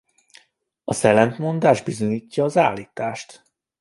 Az ellentmondás bizonyítja az állítást.